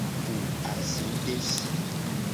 Po azidesi.